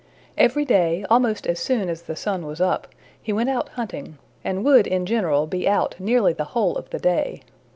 Every day, almost as soon as the sun was up, he went out hunting, and would in general be out nearly the whole of the day.